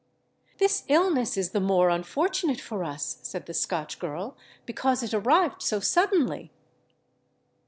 "This illness is the more unfortunate for us," said the Scotch girl, "because it arrived so suddenly."